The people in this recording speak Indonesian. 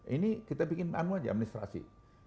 ini kita bikin anu aja administrasi